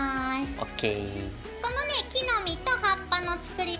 ＯＫ。